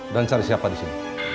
dan cari siapa disini